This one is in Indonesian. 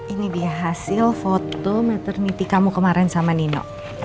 ini dia hasil foto meternity kamu kemarin sama nino